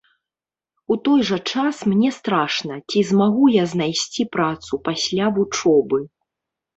У той жа час мне страшна, ці змагу я знайсці працу пасля вучобы.